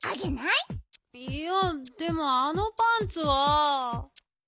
いやでもあのパンツは。